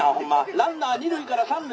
ランナー二塁から三塁」。